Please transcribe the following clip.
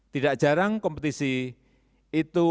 tidak jarang kompetisi itu